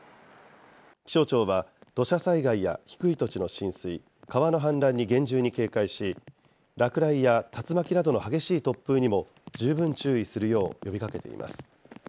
気象庁は、土砂災害や低い土地の浸水、川の氾濫に厳重に警戒し、落雷や竜巻などの激しい突風にも、十分注意するよう呼びかけています。